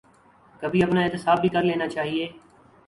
کبھی اپنا احتساب بھی کر لینا چاہیے۔